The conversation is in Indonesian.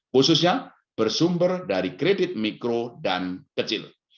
khususnya bersumber dari kredit mikro dan kecil